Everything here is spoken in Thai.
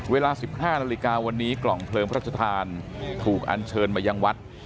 เวลา๑๕นาฬิกาวันนี้กล่องเพลิงพระชธานถูกอันเชิญมายังวัด